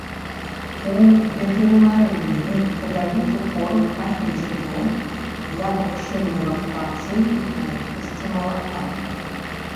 У ветэрынарыі дадаюць у корм хатніх жывёл для павышэння лактацыі і тлустасці малака.